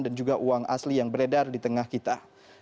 dan juga uang asli yang beredar di tengah kita